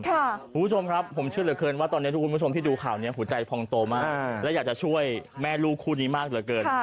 คุณผู้ชมครับผมเชื่อเหลือเกินว่าตอนนี้ทุกคุณผู้ชมที่ดูข่าวนี้หัวใจพองโตมากและอยากจะช่วยแม่ลูกคู่นี้มากเหลือเกิน